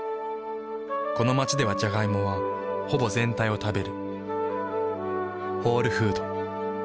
この街ではジャガイモはほぼ全体を食べる。